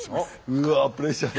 うわプレッシャーだ。